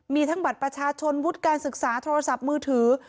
มีทั้งบัตรประชาชนวุฒิการศึกษาโทรศัพท์มือถือ